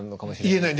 言えない。